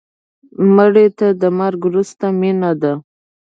مړه ته د مرګ وروسته مینه ده